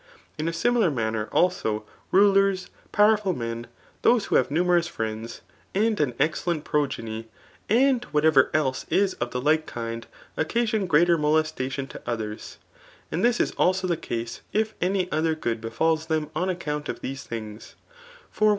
In a similar manner, also, rulers, pow« erful men, those who hawe numerous friends, and an ex 1 SS ¥m . AUT OF BOOK lU teliflmi: progeny, and vobBtai^er ^im H of the! like .IkSd^ . occasion greate* molestation to others. And tlus is also the case if any other good be&k them, on account of these things. For we.